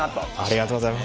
ありがとうございます。